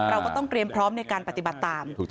เราก็ต้องเตรียมพร้อมในการปฏิบัติตาม